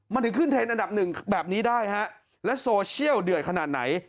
มันถึงขึ้นเทรนดอันดับหนึ่งแบบนี้ได้ฮะและโซเชียลเดือดขนาดไหน